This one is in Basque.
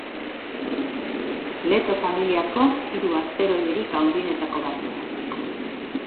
Leto familiako hiru asteroiderik handienetako bat da.